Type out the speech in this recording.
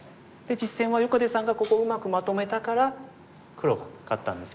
実戦は横手さんがここをうまくまとめたから黒が勝ったんですけども。